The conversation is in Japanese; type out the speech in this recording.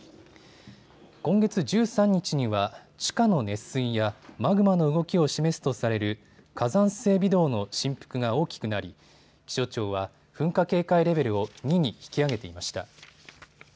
今月１３日には地下の熱水やマグマの動きを示すとされる火山性微動の振幅が大きくなり気象庁は噴火警戒レベルを２に引き上げていました。